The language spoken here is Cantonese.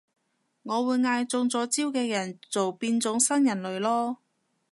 我會嗌中咗招嘅人做變種新人類囉